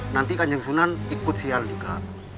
nanti kanjeng sunan ikut sial juga